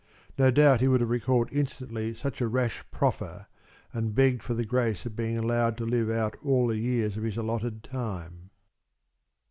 No doubt he would have recalled instantly such a rash proffer and begged for the grace of being allowed to live out all the years of his allotted time.